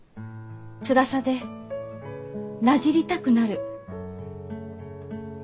つらさでなじりたくなる。